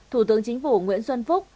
thủ tướng chính phủ nguyễn xuân phúc